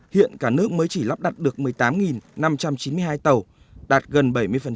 hiện cả nước mới chỉ lắp đặt được một mươi tám năm trăm chín mươi hai tàu đạt gần bảy mươi